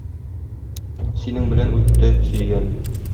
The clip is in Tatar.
Синең белән үтте, сөйгәнем.